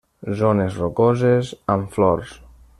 Zones rocoses amb flors.